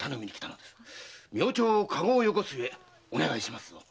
明朝駕籠を寄越すゆえお願いします。